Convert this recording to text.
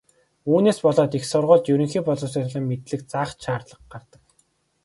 Үүнээс болоод их сургуульд ерөнхий боловсролын мэдлэг заах ч шаардлага гардаг.